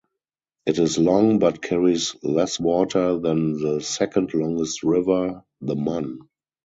It is long but carries less water than the second longest river, the Mun.